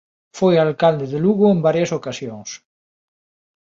Foi alcalde de Lugo en varias ocasións.